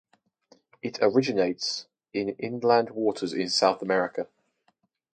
It originates in inland waters in South America.